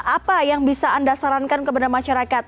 apa yang bisa anda sarankan kepada masyarakat